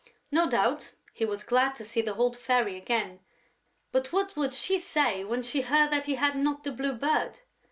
No doubt, he was glad to see the old Fairy again; but what would she say when she heard that he had not the Blue Bird?